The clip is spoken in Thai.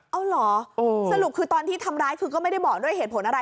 เอาเหรอสรุปคือตอนที่ทำร้ายคือก็ไม่ได้บอกด้วยเหตุผลอะไร